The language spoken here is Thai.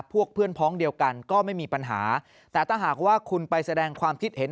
เพื่อนพ้องเดียวกันก็ไม่มีปัญหาแต่ถ้าหากว่าคุณไปแสดงความคิดเห็น